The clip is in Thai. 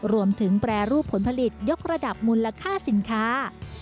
แปรรูปผลผลิตยกระดับมูลค่าสินค้า